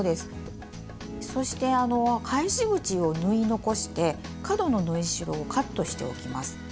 そして返し口を縫い残して角の縫い代をカットしておきます。